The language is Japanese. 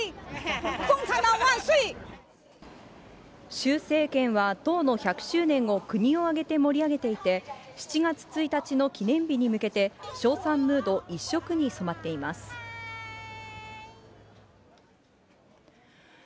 習政権は、党の１００周年を国を挙げて盛り上げていて、７月１日の記念日に向けて、称賛ムード一色に染まっています。